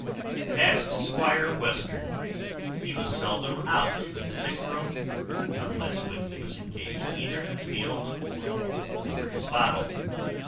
As to Squire Western, he was seldom out of the sick room, unless when he was engaged either in the field or over his bottle.